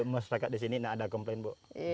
masyarakat di sini tidak ada komplain bu